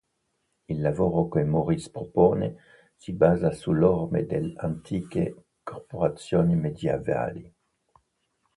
Il lavoro che Morris propone si basa sulle orme delle antiche corporazioni medievali.